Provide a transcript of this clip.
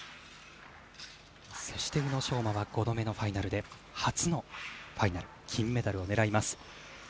そして、宇野昌磨は５度目のファイナルで初のファイナル金メダルを狙います。